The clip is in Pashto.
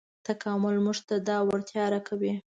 تکامل موږ ته دا وړتیا راکوي.